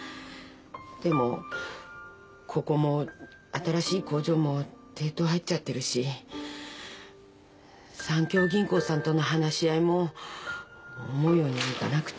でもここも新しい工場も抵当に入っちゃってるし三協銀行さんとの話し合いも思うようにいかなくて。